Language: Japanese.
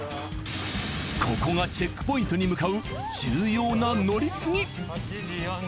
ここがチェックポイントに向かう重要な乗り継ぎ。